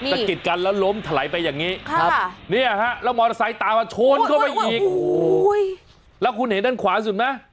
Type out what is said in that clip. สะกิดกันแล้วล้มถลายไปอย่างนี้ครับเนี่ยฮะแล้วมอเตอร์ไซค์ตามมาชนเข้าไปอีกแล้วคุณเห็นด้านขวาสุดไหม